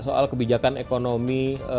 soal kebijakan ekonomi